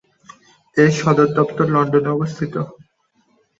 এর সদর দপ্তর লন্ডনে অবস্থিত।